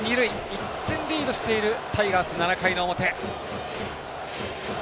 １点リードしているタイガース、７回の表。